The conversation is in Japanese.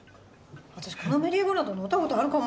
私このメリーゴーラウンド乗った事あるかも。